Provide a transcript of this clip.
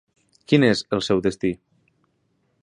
Quin és el seu destí?